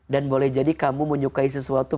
boleh jadi kamu menyukai sesuatu